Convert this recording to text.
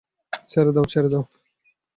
ছেড়ে দাও, ছেড়ে দাও।